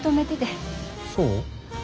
そう？